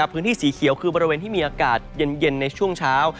พื้นที่สีเขียวคือบริเวณที่มีอากาศเย็นในช่วงเช้า